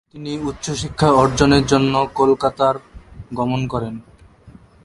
তিনি উচ্চশিক্ষা অর্জনের জন্যে কলকাতার গমন করেন।